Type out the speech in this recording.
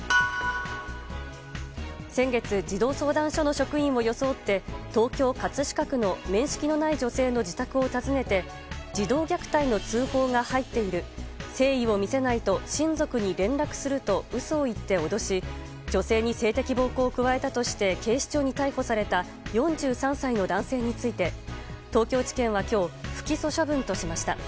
先月、児童相談所の職員を装って東京・葛飾区の面識のない女性の自宅を訪ねて児童虐待の通報が入っている誠意を見せないと親族に連絡すると嘘を言って脅し女性に性的暴行を加えたとして警視庁に逮捕された４３歳の男性について東京地検は今日不起訴処分としました。